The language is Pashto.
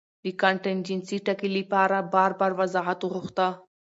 د کانټېنجنسي ټکي له پاره بار بار وضاحت غوښتۀ